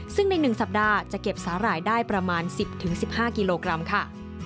ซึ่งใน๑สัปดาห์จะเก็บสาหร่ายได้ประมาณ๑๐๑๕กิโลกรัมค่ะ